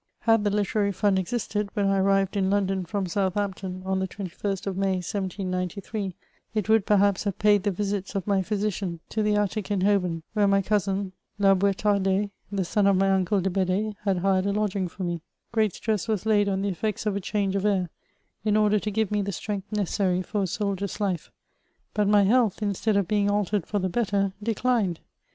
Had the Literary Fund existed when I arrived in London from Southampton, on the 21st of May, 1793, it would, per haps, have paid the virits of my physician to the attic in Hoi 372 MEMOIRS OF bom : where my cousin, La Bouetardais, the son of my uncle de Bed^e, had hired a lodging for me. Great stress was laid on the effects of a change of air, in order to give me the strength necessary for a soldier's life ; but my health, instead of being altered for the better, declined.